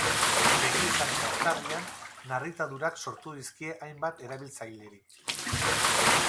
Begietan eta eztarrian narritadurak sortu dizkie hainbat erabiltzaileri.